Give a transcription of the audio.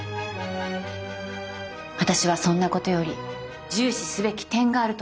私はそんなことより重視すべき点があると思います。